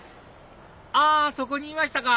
あっそこにいましたか！